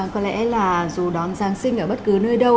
có lẽ là dù đón giáng sinh ở bất cứ nơi đâu